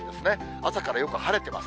朝からよく晴れてます。